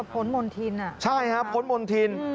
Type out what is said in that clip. ผลมนตร์ทินใช่ครับผลมนตร์ทิน